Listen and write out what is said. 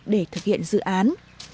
để thực hiện dự án